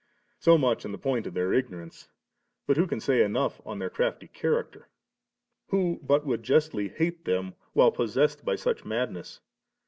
• So much on the point of their ignorance ; but who can say enough on their crafty character? who but would jusdy hate them while possessed by such a madness